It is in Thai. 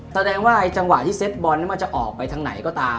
แสดงว่าจังหวะที่เซตบอลนั้นมันจะออกไปทางไหนก็ตาม